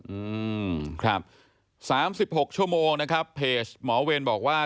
อืมครับสามสิบหกชั่วโมงนะครับเพจหมอเวรบอกว่า